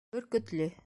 БӨРКӨТЛӨ